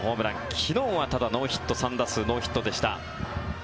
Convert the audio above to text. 昨日はただ３打数ノーヒットでした。